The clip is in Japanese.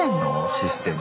システム。